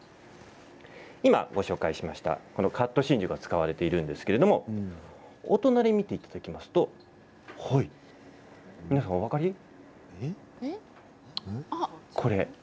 今、ご紹介しましたカット真珠が使われているんですけれどお隣見ていただきますと皆さん、お分かり？え？